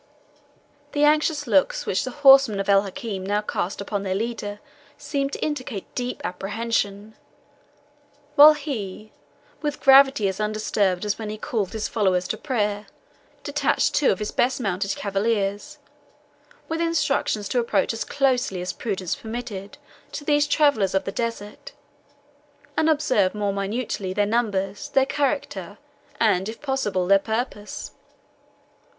The anxious looks which the horsemen of El Hakim now cast upon their leader seemed to indicate deep apprehension; while he, with gravity as undisturbed as when he called his followers to prayer, detached two of his best mounted cavaliers, with instructions to approach as closely as prudence permitted to these travellers of the desert, and observe more minutely their numbers, their character, and, if possible, their purpose.